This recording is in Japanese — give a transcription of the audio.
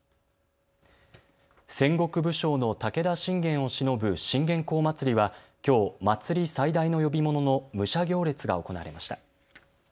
戦国武将の武田信玄をしのぶ信玄公祭りはきょう、祭り最大の呼び物の武者行列が行われました。